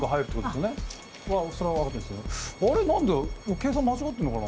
計算間違ってるのかな。